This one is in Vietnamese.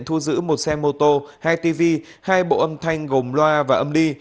thu giữ một xe mô tô hai tv hai bộ âm thanh gồm loa và âm ly